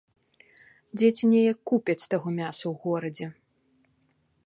Дзеці неяк купяць таго мяса ў горадзе.